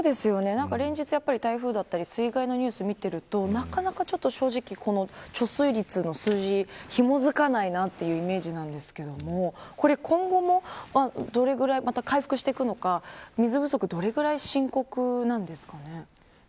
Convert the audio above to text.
連日やっぱり台風だったり水害のニュースを見ているとなかなか正直、この貯水率の数字ひも付かないなというイメージなんですけれどもこれ、今後もどれぐらいまた回復していくのか水不足どれぐらい深刻なんですかね。